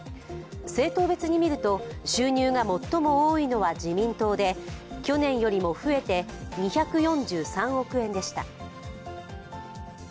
政党別に見ると、収入が最も多いのは自民党で去年よりも増えて２４３億円でした。